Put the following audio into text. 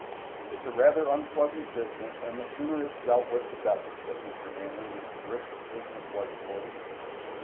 "It's a rather unpleasant business, and the sooner it's dealt with the better," said Mr. Manley in a brisk, businesslike voice.